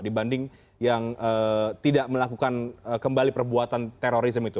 dibanding yang tidak melakukan kembali perbuatan terorisme itu